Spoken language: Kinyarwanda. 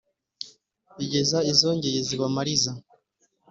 igeza izogeye ziba amariza